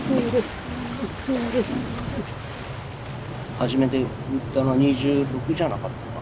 初めて撃ったのは２６じゃなかったかな。